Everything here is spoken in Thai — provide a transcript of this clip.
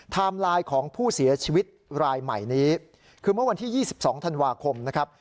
ไลน์ของผู้เสียชีวิตรายใหม่นี้คือเมื่อวันที่๒๒ธันวาคมนะครับ